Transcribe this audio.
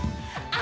あ。